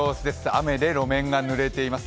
雨で路面がぬれています。